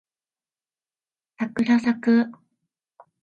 さくらさく